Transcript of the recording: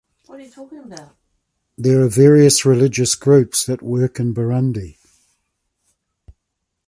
There are various religious groups that work in Burundi.